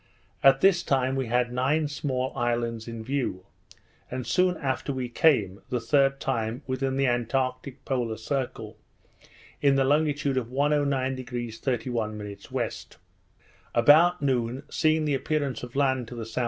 At this time, we had nine small islands in sight; and soon after we came, the third time, within the antartic polar circle, in the longitude of 109° 31' W. About noon, seeing the appearance of land to the S.E.